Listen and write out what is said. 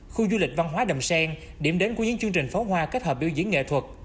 khu du lịch văn hóa đầm sen điểm đến của những chương trình phó hoa kết hợp biểu diễn nghệ thuật